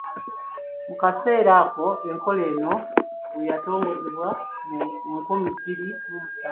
Mu kaseera ako enkola eno we yatongozebwa mu nkumi bbiri mu musanvu.